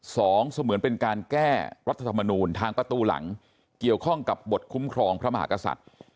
สองเสมือนเป็นการแก้รัฐธรรมนูลทางประตูหลังเกี่ยวข้องกับบทคุ้มครองพระมหากษัตริย์